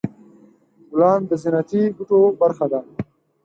ګلان د زینتي بوټو برخه ده.